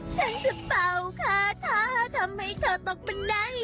ฉันจะเป่าฆ่าเธอทำให้เธอตกบ้างได้